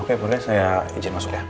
oke boleh saya izin masuk ya